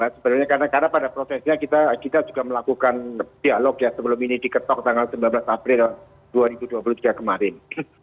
sebenarnya karena pada prosesnya kita juga melakukan dialog ya sebelum ini diketok tanggal sembilan belas april dua ribu dua puluh tiga kemarin